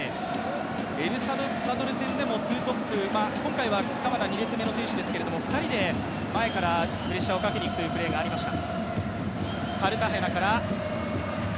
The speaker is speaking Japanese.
エルサルバドル戦でもツートップ、今回は鎌田、２列目の選手ですけど２人で前からプレッシャーをかけにいくプレーがありました。